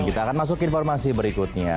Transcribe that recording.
kita akan masuk ke informasi berikutnya